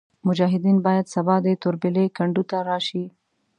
مجاهدین باید سبا د توربېلې کنډو ته راشي.